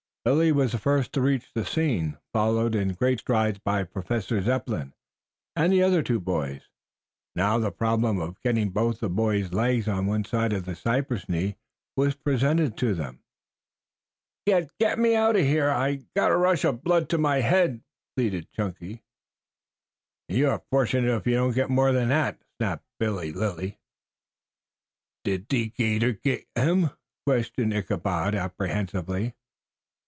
Lilly was the first to reach the scene, followed in great strides by Professor Zepplin and the other two boys. Now the problem of getting both the boy's legs on one side of the cypress knee was presented to them. "Get get me out of here! I've got a rush of blood to the head," pleaded Chunky. "You are fortunate if you don't get more than that," snapped Billy Lilly. "Did de 'gator done git him?" questioned Ichabod apprehensively.